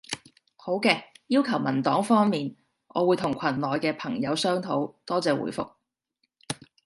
好嘅，要求文檔方面，我會同群內嘅朋友商討。多謝回覆